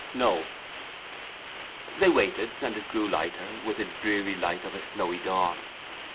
"No." They waited, and it grew lighter, with the dreary light of a snowy dawn.